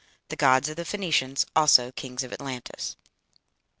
THE GODS OF THE PHOENICIANS ALSO KINGS OF ATLANTIS.